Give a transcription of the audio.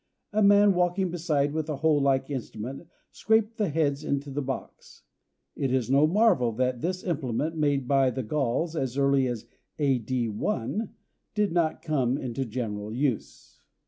A man walking beside with a hoe like instrument scraped the heads into the box. It is no marvel that this implement, made by the Gauls as early as A. D. 1, did not come into general use.